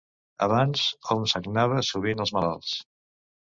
Abans hom sagnava sovint els malalts.